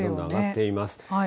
上がっています。